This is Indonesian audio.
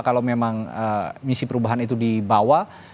kalau memang misi perubahan itu dibawa